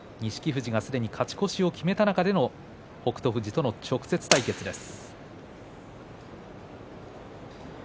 富士がすでに勝ち越しを決めた中での北勝富士との直接対決です。